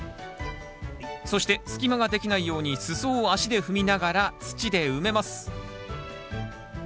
そして隙間ができないように裾を足で踏みながら土で埋めます。